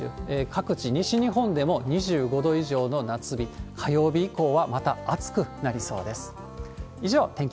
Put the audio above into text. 各地、西日本でも２５度以上の夏日、火曜日以降はまた暑くなりそうです。